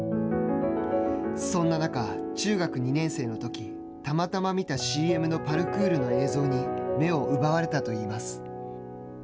そんな中、中学２年生のとき、たまたま見たＣＭのパルクールの映像に目を奪われたといいます。